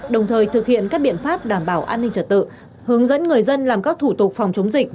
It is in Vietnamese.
đồng thời thực hiện các biện pháp đảm bảo an ninh trật tự hướng dẫn người dân làm các thủ tục phòng chống dịch